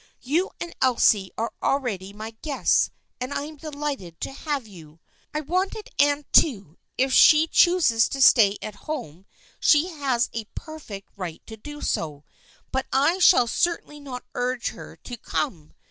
" You and Elsie are already my guests and I am delighted to have you. I wanted Anne too ; if she chooses to stay at home she has a perfect right to do so, but I shall certainly not urge her to come.